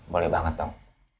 boleh banget dong